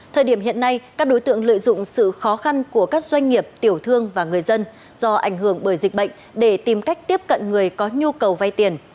thời điểm hiện nay các đối tượng lợi dụng sự khó khăn của các doanh nghiệp tiểu thương và người dân do ảnh hưởng bởi dịch bệnh để tìm cách tiếp cận người có nhu cầu vay tiền